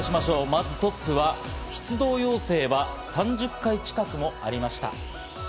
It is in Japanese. まず、トップは出動要請は３０回近くもありました。